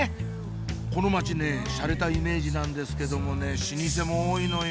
この街ねぇしゃれたイメージなんですけどもね老舗も多いのよ